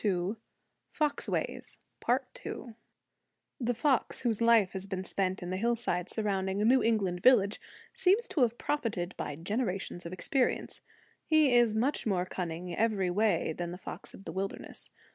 The fox whose life has been spent on the hillsides surrounding a New England village seems to have profited by generations of experience. He is much more cunning every way than the fox of the wilderness.